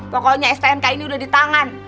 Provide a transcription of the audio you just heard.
pokoknya stnk ini udah di tangan